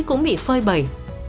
cũng bị phơi bầy